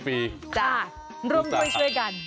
ค่ะร่วมทุยกัน